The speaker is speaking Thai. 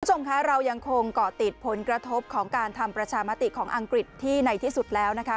คุณผู้ชมคะเรายังคงเกาะติดผลกระทบของการทำประชามติของอังกฤษที่ในที่สุดแล้วนะคะ